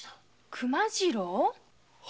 熊次郎？